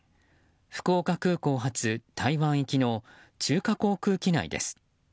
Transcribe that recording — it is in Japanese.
福岡空港発台湾行きの中華航空機内です。